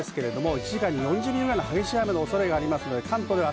１時間に４０ミリくらいの激しい雨の恐れがあります。